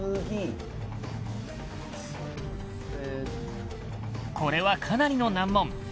次これはかなりの難問